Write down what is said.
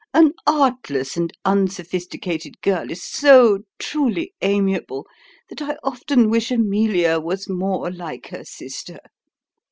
An artless and unsophisticated girl is so truly amiable, that I often wish Amelia was more like her sister."